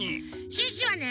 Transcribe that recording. シュッシュはね。